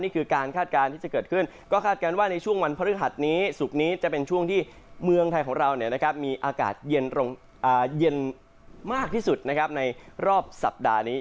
นี่คือการคาดการณ์ที่จะเกิดขึ้นก็คาดการณ์ว่าในช่วงวันพฤหัสนี้ศุกร์นี้จะเป็นช่วงที่เมืองไทยของเรามีอากาศเย็นมากที่สุดนะครับในรอบสัปดาห์นี้